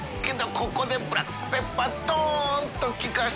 ここでブラックペッパードンときかせて。